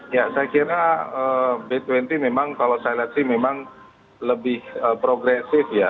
ya saya kira b dua puluh memang kalau saya lihat sih memang lebih progresif ya